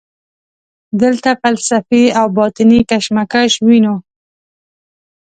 دلته فلسفي او باطني کشمکش وینو.